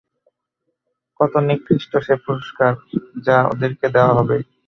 কত নিকৃষ্ট সে পুরস্কার—যা ওদেরকে দেওয়া হবে।